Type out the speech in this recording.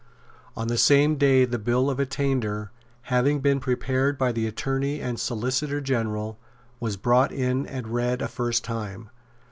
On the same day the Bill of Attainder, having been prepared by the Attorney and Solicitor General, was brought in and read a first time.